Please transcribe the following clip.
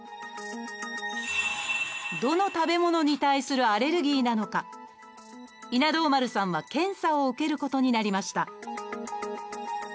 どの食べ物に対するアレルギーなのか稲童丸さんは検査を受けることになりました。